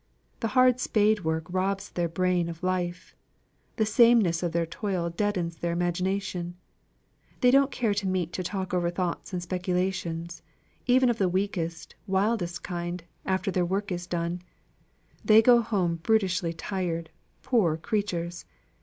The hard spadework robs their brain of life; the sameness of their toil deadens their imagination; they don't care to meet to talk over thoughts and speculations, even of the weakest, wildest kind, after their work is done; they go home brutishly tired, poor creatures!